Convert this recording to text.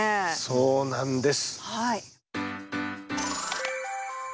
そうなんです。